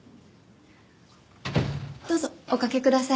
どうぞおかけください。